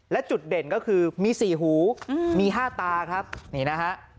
และจุดเด่นก็คือมี๔หูมี๕ตาครับนี่นะฮะ